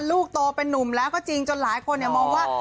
ลูกโตเป็นนุ่มแล้วก็จริงจนหลายคนมองว่า